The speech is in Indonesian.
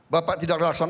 bapak tidak lakukan